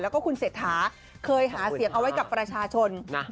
แล้วก็คุณเศรษฐาเคยหาเสียงเอาไว้กับประชาชน